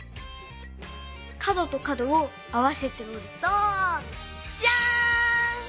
かどとかどをあわせておるとジャーン！